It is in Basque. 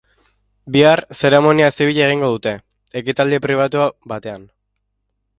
Bihar, zeremonia zibila egingo dute, ekitaldi pribatu batean.